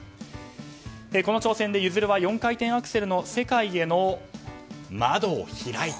この挑戦で結弦は４回転アクセルの世界への窓を開いた。